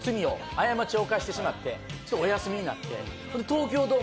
過ちを犯してしまってお休みになって。